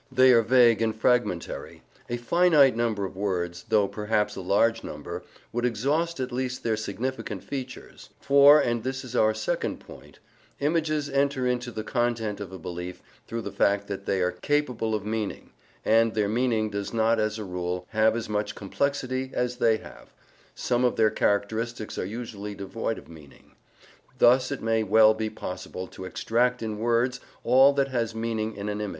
They are vague and fragmentary: a finite number of words, though perhaps a large number, would exhaust at least their SIGNIFICANT features. For and this is our second point images enter into the content of a belief through the fact that they are capable of meaning, and their meaning does not, as a rule, have as much complexity as they have: some of their characteristics are usually devoid of meaning.